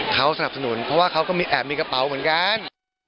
เขาสนับสนุนเพราะว่าเขาก็แอบมีกระเป๋าเหมือนกัน